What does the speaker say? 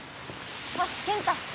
あっ健太。